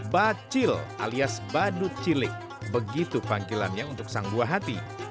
bacil alias badut cilik begitu panggilannya untuk sang buah hati